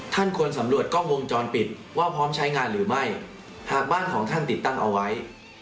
ควรสำรวจกล้องวงจรปิดว่าพร้อมใช้งานหรือไม่หากบ้านของท่านติดตั้งเอาไว้